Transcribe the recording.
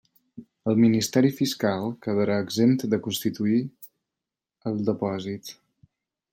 El ministeri fiscal quedarà exempt de constituir el depòsit.